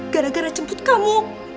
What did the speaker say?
gara gara jemput kamu